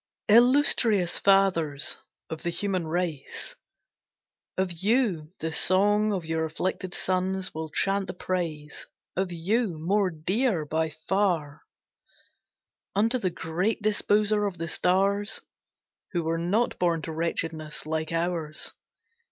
Illustrious fathers of the human race, Of you, the song of your afflicted sons Will chant the praise; of you, more dear, by far, Unto the Great Disposer of the stars, Who were not born to wretchedness, like ours.